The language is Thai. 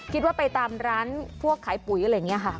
คิดว่าไปตามร้านพวกขายปุ๋ยอะไรอย่างนี้ค่ะ